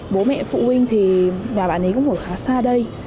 bố mẹ phụ huynh thì và bạn ấy cũng ngồi khá xa đây